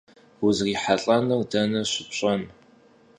УзрихьэлӀэнур дэнэ щыпщӀэн?